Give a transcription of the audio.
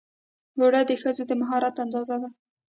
اوړه د ښځو د مهارت اندازه ده